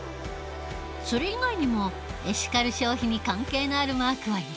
それ以外にもエシカル消費に関係のあるマークはいろいろある。